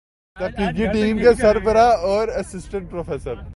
تحقیقی ٹیم کے سربراہ اور اسسٹنٹ پروفیسر